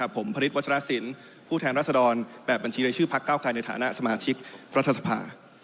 ผมพรสินผู้แทนรัศดรแบบบัญชีในชื่อภักด์เก้ากายในฐานะสมาชิกรัฐสภา